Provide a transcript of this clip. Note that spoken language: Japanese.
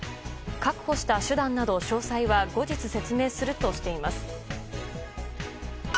確保した手段など詳細は後日説明するとしています。